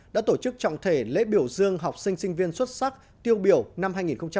đã tổ chức trọng thể lễ biểu dương học sinh sinh viên xuất sắc tiêu biểu năm hai nghìn hai mươi